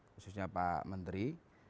khususnya pak menteri